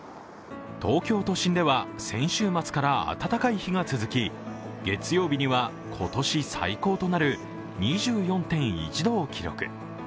東京都心では先週末から暖かい日にが続き、月曜日には今年最高となる２４．１度を記録。